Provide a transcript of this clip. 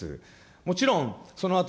もちろんそのあと